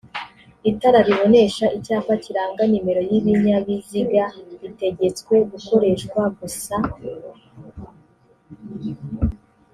itara ribonesha icyapa kiranga numero z’ibinyabiziga ritegetswe gukoreshwa gusa